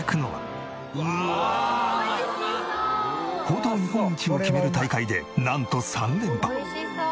ほうとう日本一を決める大会でなんと３連覇！